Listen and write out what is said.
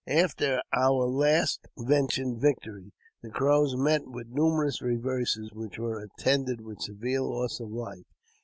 After our last mentioned victory, the Crows met with nume rous reverses, which were attended with severe loss of life.